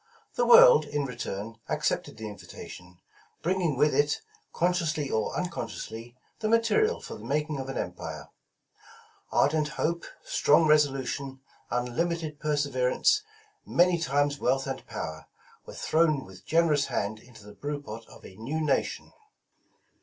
The world, in return, accepted the invitation, bringing with it, con sciously or unconsciously, the material for the making of an empire. Ardent hope, strong resolution, unlimited perseverence, many times wealth and power, were thrown with generous hand into the brew pot of a new nation.